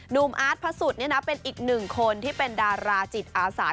นุมอาร์ดพระสุดเนี่ยนะเป็นอีกหนึ่งคนที่เป็นดาราจิตอาสาท